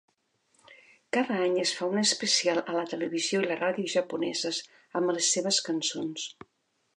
Cada any es fa un especial a la televisió i la ràdio japoneses amb les seves cançons.